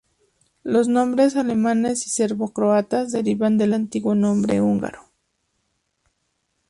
Los nombres alemanes y serbo-croatas derivan del antiguo nombre húngaro.